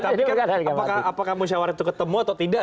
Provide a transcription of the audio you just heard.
tapi kan apakah musyawarah itu ketemu atau tidak